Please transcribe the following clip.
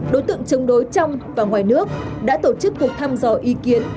đối tượng chống đối trong và ngoài nước đã tổ chức cuộc thăm dò ý kiến